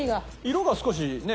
色が少しね